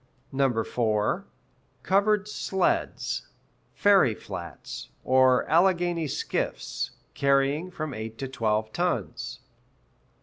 (4) Covered "sleds," ferry flats, or Alleghany skiffs, carrying from eight to twelve tons.